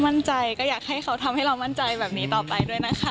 มั่นใจก็อยากให้เขาทำให้เรามั่นใจแบบนี้ต่อไปด้วยนะคะ